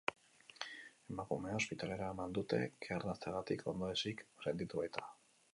Emakumea ospitalera eraman dute, kea arnasteagatik ondoezik sentitu baita.